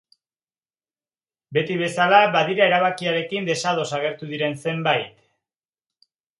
Beti bezala, badira erabakiarekin desados agertu diren zenbait.